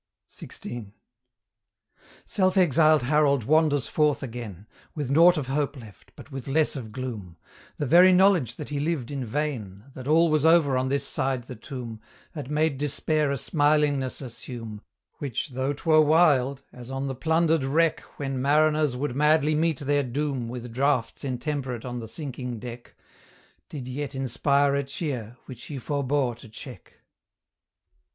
XVI. Self exiled Harold wanders forth again, With naught of hope left, but with less of gloom; The very knowledge that he lived in vain, That all was over on this side the tomb, Had made Despair a smilingness assume, Which, though 'twere wild as on the plundered wreck When mariners would madly meet their doom With draughts intemperate on the sinking deck Did yet inspire a cheer, which he forbore to check.